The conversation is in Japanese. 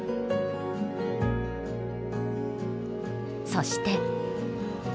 そして。